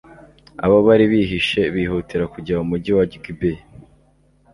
abo bari bihishe bihutira kujya mu mugi wa gibeya